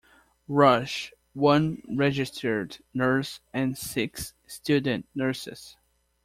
Rush, one registered nurse and six student nurses.